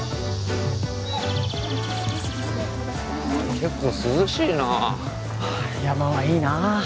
結構涼しいなあ。はあ山はいいなあ。